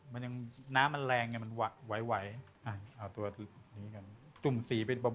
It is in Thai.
มันยังน้ำมันแรงมันหวัยหวัยอ่าเอาตัวนี้กันจุ่มสีไปเบา